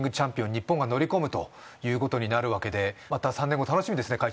日本が乗り込むということになるわけでまた３年後楽しみですね会